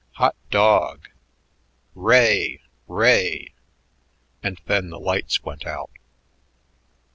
Hot dog! Ray, ray!" And then the lights went out.